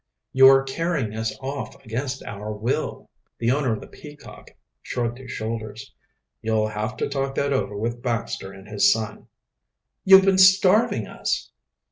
"You are carrying us off against our will." The owner of the Peacock shrugged his shoulders. "You'll have to talk that over with Baxter and his son." "You've been starving us."